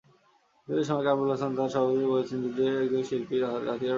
মুক্তিযুদ্ধের সময় কামরুল হাসান তাঁর সহশিল্পীদের বলেছিলেন, যুদ্ধে একজন শিল্পীর হাতিয়ার তাঁর রংতুলি।